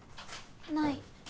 ない。